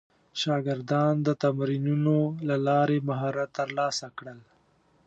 شاګردان د تمرینونو له لارې مهارت ترلاسه کړل.